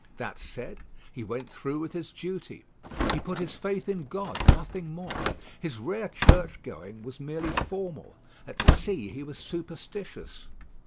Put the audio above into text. That said, he went through with his duty. He put his faith in God nothing more. His rare churchgoing was merely formal. At sea he was superstitious.